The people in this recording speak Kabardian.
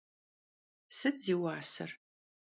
Sıt zi vuaser?